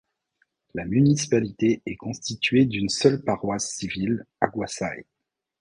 La municipalité est constituée d'une seule paroisse civile, Aguasay.